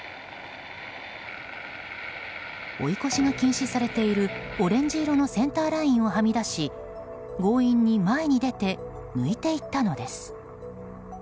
追い越しが禁止されているオレンジ色のセンターラインをはみ出し強引に前に出て抜いていったのです。